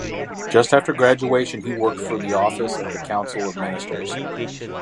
Just after graduation he worked for the Office of the Council of Ministers.